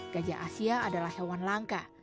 gajah asia adalah hewan langka